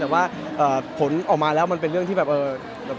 แต่ว่าผลออกมาแล้วมันเป็นเรื่องที่แบบเออ